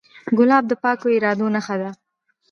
ګلاب د پاکو ارادو نښه ده.